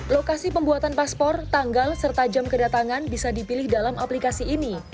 lokasi pembuatan paspor tanggal serta jam kedatangan bisa dipilih dalam aplikasi ini